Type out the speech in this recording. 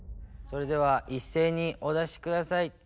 それではいっせいにお出しください。